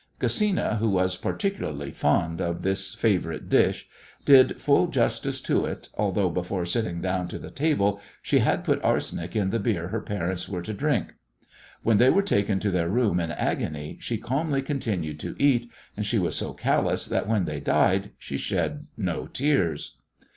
Gesina, who was particularly fond of this favourite dish, did full justice to it, although before sitting down to the table she had put arsenic in the beer her parents were to drink! When they were taken to their room in agony she calmly continued to eat, and she was so callous that when they died she shed no tears.